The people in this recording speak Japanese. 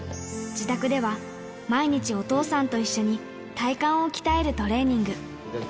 自宅では、毎日お父さんと一緒に体幹を鍛えるトレーニング。